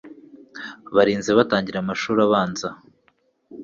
barinze batangira amashuri abanza